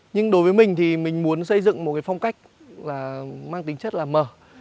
nhưng đối với mình thì mình muốn xây dựng một phong cách mang tính chất là mở